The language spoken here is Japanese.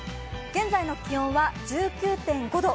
現在の気温は１９．５度。